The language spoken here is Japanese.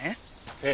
ええ。